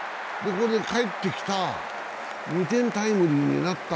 帰ってきた、２点タイムリーになった。